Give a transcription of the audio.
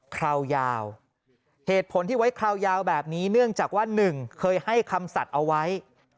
คราวยาวเหตุผลที่ไว้คราวยาวแบบนี้เนื่องจากว่าหนึ่งเคยให้คำสัตว์เอาไว้